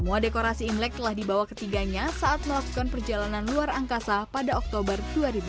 semua dekorasi imlek telah dibawa ketiganya saat melakukan perjalanan luar angkasa pada oktober dua ribu dua puluh